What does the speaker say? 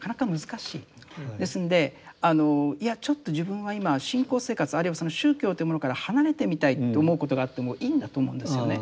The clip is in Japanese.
ですんであのいやちょっと自分は今信仰生活あるいは宗教というものから離れてみたいと思うことがあってもいいんだと思うんですよね。